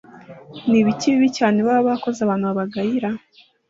ni ibiki bibi cyane baba barakoze abantu babagayira